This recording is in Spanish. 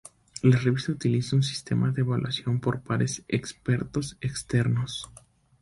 La revista utiliza un sistema de evaluación por pares expertos externos.